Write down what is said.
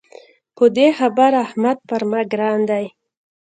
په دې خبره احمد پر ما ګران دی.